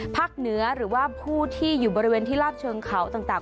เหนือหรือว่าผู้ที่อยู่บริเวณที่ลาบเชิงเขาต่าง